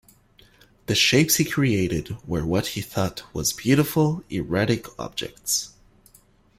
The shapes he created were what he thought was "beautiful, erratic objects".